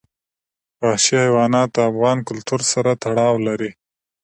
وحشي حیوانات د افغان کلتور سره تړاو لري.